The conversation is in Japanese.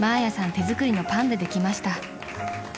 手作りのパンでできました］